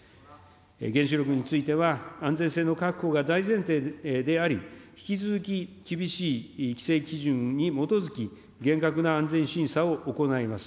原子力については、安全性の確保が大前提であり、引き続き、厳しい規制基準に基づき、厳格な安全審査を行います。